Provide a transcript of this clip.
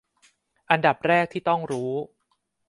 อันดับแรกที่ต้องรู้